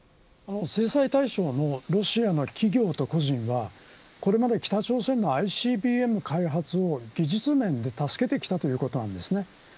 制裁対象のロシアの企業と個人はこれまで北朝鮮がＩＣＢＭ開発を技術面で助けてきたということです。